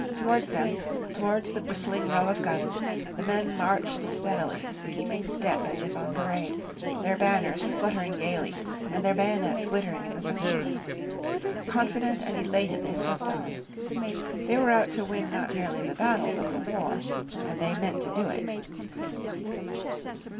Towards them, towards the bristling row of guns, the men marched steadily, keeping step as if on parade, their banners fluttering gaily, and their bayonets glittering in the sunshine. Confident and elated they swept on. They were out to win not merely the battle but the war, and they meant to do it.